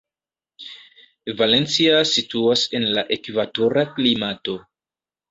Valencia situas en la ekvatora klimato.